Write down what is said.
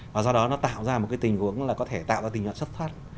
và do đó nó tạo ra một cái tình huống là có thể tạo ra tình huống sấp thoát